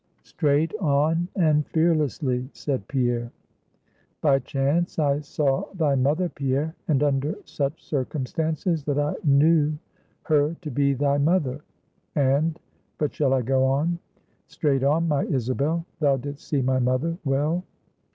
"Straight on, and fearlessly," said Pierre. "By chance I saw thy mother, Pierre, and under such circumstances that I knew her to be thy mother; and but shall I go on?" "Straight on, my Isabel; thou didst see my mother well?"